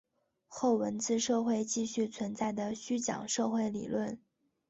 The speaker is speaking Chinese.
后文字社会继续存在的虚讲社会理论。